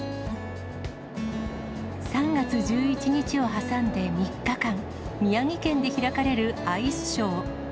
３月１１日を挟んで３日間、宮城県で開かれるアイスショー。